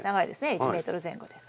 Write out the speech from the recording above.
１ｍ前後です。